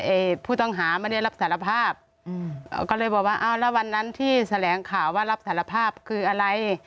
ผู้ต้องหาไม่ได้รับสารภาพอืมก็เลยบอกว่าอ้าวแล้ววันนั้นที่แถลงข่าวว่ารับสารภาพคืออะไร